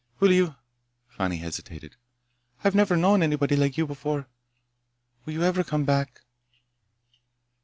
"Will you—" Fani hesitated. "I've never known anybody like you before. Will you ever come back?"